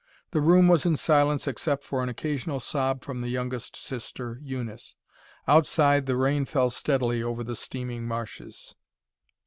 The room was in silence except for an occasional sob from the youngest sister, Eunice. Outside the rain fell steadily over the steaming marshes.